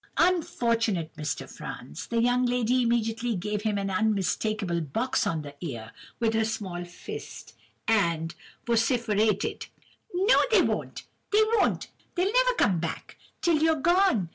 "Unfortunate Mr. Franz! The young lady immediately gave him an unmistakable box on the ear with her small fist, and vociferated "No, they won't, they won't, they won't! They'll never come back till you're gone!